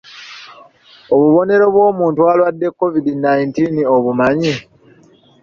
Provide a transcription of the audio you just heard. Obubonero bw'omuntu alwadde COVID nineteen obumanyi?